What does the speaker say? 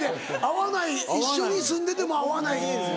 会わない一緒に住んでても会わない。